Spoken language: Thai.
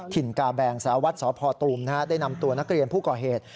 กาแบงสารวัตรสพตูมได้นำตัวนักเรียนผู้ก่อเหตุ